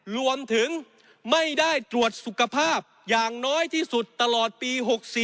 รวมถึงไม่ได้ตรวจสุขภาพอย่างน้อยที่สุดตลอดปี๖๔